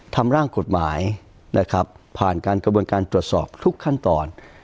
ร่างกฎหมายนะครับผ่านการกระบวนการตรวจสอบทุกขั้นตอน